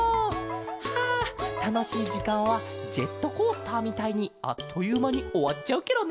はあたのしいじかんはジェットコースターみたいにあっというまにおわっちゃうケロね。